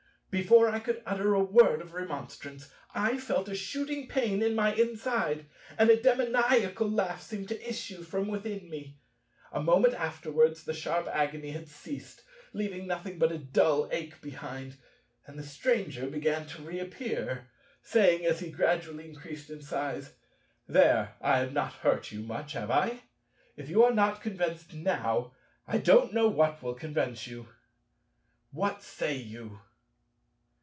Before I could utter a word of remonstrance, I felt a shooting pain in my inside, and a demoniacal laugh seemed to issue from within me. A moment afterwards the sharp agony had ceased, leaving nothing but a dull ache behind, and the Stranger began to reappear, saying, as he gradually increased in size, "There, I have not hurt you much, have I? If you are not convinced now, I don't know what will convince you. What say you?"